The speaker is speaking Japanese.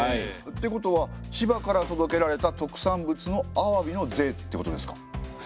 ってことは千葉から届けられた特産物のアワビの税ってことですか？